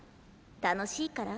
楽しいから？